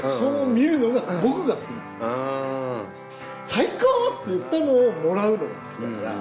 「最高！」って言ったのをもらうのが好きだから。